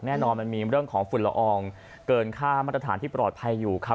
แน่นอนมันมีเรื่องของฝุ่นละอองเกินค่ามาตรฐานที่ปลอดภัยอยู่ครับ